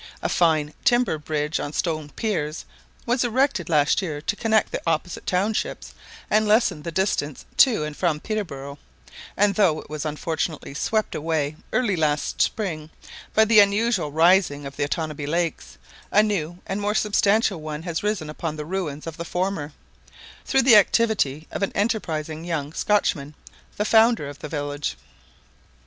A fine timber bridge, on stone piers, was erected last year to connect the opposite townships and lessen the distance to and from Peterborough; and though it was unfortunately swept away early last spring by the unusual rising of the Otanabee lakes, a new and more substantial one has risen upon the ruins of the former, through the activity of an enterprising young Scotchman, the founder of the village.